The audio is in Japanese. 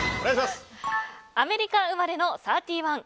アメリカ生まれのサーティワン。